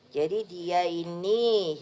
jadi dia ini